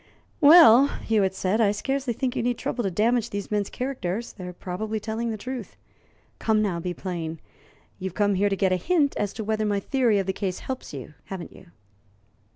'" "Well," Hewitt said, "I scarcely think you need trouble to damage these men's characters. They are probably telling the truth. Come, now, be plain. You've come here to get a hint as to whether my theory of the case helps you, haven't you?"